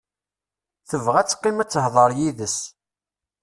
Tebɣa ad teqqim ad tehder yid-s.